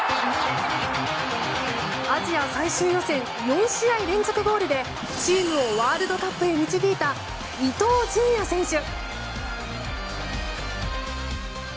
アジア最終予選４試合連続ゴールでチームをワールドカップへ導いた伊東純也選手。